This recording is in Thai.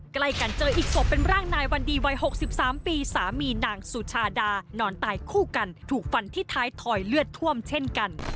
ใกล้กันเจออีกศพเป็นร่างนายวันดีวัย๖๓ปีสามีนางสุชาดานอนตายคู่กันถูกฟันที่ท้ายถอยเลือดท่วมเช่นกัน